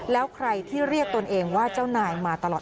แล้วใครที่เรียกตนเองว่าเจ้านายมาตลอด